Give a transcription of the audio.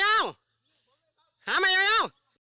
หาไหมเหี้ยว